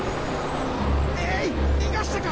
ええい逃がしたか！